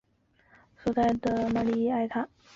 县政府所在地位于县中心的玛丽埃塔。